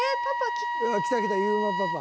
来た来た裕磨パパ。